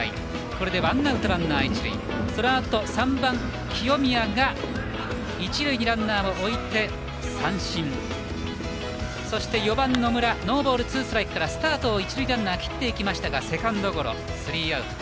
これでワンアウトランナー一塁３番清宮が一塁にランナーを置いて三振そして４番野村ノーボールツーストライクから一塁ランナースタートを切っていきましたがセカンドゴロスリーアウト。